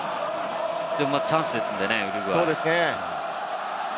でもチャンスですんでね、ウルグアイ。